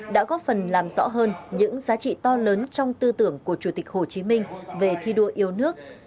đã góp phần làm rõ hơn những giá trị to lớn trong tư tưởng của chủ tịch hồ chí minh về thi đua yêu nước